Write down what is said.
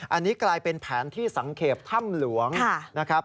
อันนี้กลายเป็นแผนที่สังเกตถ้ำหลวงนะครับ